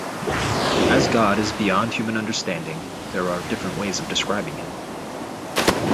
As God is beyond human understanding, there are different ways of describing him.